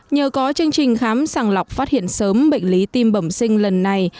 nhờ có chương trình khám sàng lọc phát hiện sớm bệnh lý tim bẩm sinh lần này